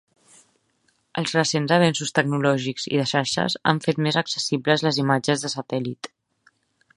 Els recents avenços tecnològics i de xarxes han fet més accessibles les imatges de satèl·lit.